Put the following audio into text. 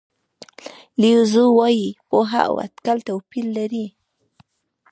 لیو زو وایي پوهه او اټکل توپیر لري.